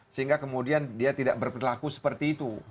sehingga kemudian dia tidak berperilaku seperti itu